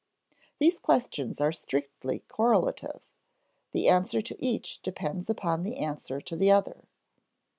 These questions are strictly correlative; the answer to each depends upon the answer to the other.